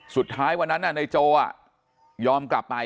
สุดท้ายวันนั้นน่ะในโจน่ะยอมกลับไป